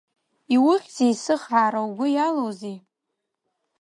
Иухьзеи, сыхаара, угәы иалоузеи?